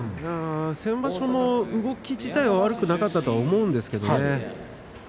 先場所も動き自体は悪くなかったと思うんですけどね